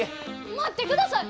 待ってください！